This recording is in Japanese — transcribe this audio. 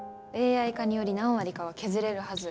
ＡＩ化により何割かは削れるはず。